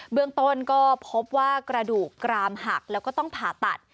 เบื้องต้นก็พบว่ากระดูกกรามหักแล้วก็ต้องผ่าตัด